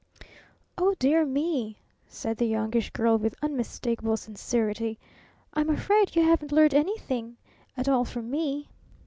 "Oh, dear me!" said the Youngish Girl, with unmistakable sincerity. "I'm afraid you haven't learned anything at all from me!"